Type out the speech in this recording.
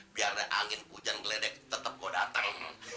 biar angin hujan meledek tetap kau datang